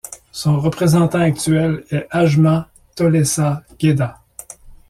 Son représentant actuel est Ajma Tolesa Geda.